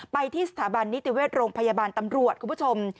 ไปที่สถาบันนิติเวชโรงพยาบาลตำรวจคุณผู้ชม